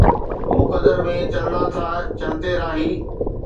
مقدر مين چلنا ٿا چلتي راهي